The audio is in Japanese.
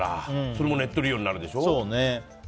それもネット利用になるでしょ。